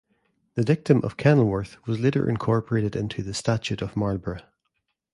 The Dictum of Kenilworth was later incorporated into the Statute of Marlborough.